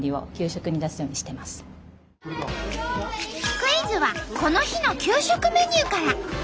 クイズはこの日の給食メニューから。